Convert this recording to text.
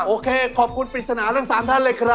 โอเคขอบคุณปริศนาทั้ง๓ท่านเลยครับ